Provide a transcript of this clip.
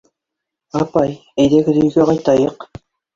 — Апай, әйҙәгеҙ өйгә ҡайтайыҡ.